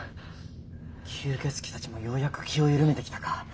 吸血鬼たちもようやく気を緩めてきたか。